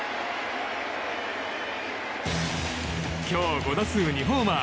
今日５打数２ホーマー。